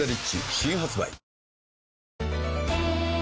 新発売